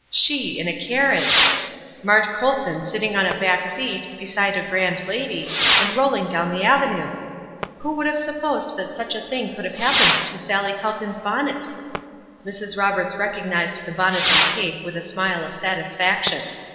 She in a carriage! Mart Colson sitting on a back seat, beside a grand lady, and rolling down the avenue! Who would have supposed that such a thing could have happened to Sallie Calkins' bonnet? Mrs. Roberts recognized the bonnet and cape with a smile of satisfaction.